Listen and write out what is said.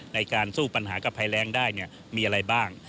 ในการสู้ปัญหากับภัยแรงได้มีอะไรบ้าง